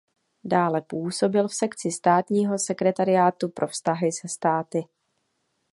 Dále působil v sekci Státního sekretariátu pro vztahy se státy.